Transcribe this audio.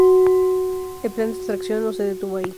El plan de atracción no se detuvo ahí.